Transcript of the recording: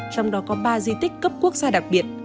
trong đó có ba di tích cấp quốc gia đặc biệt